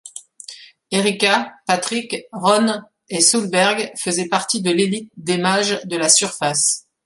Erika, Patrick, Rone et Solberg faisaient partie de l'élite des Mages de la surface.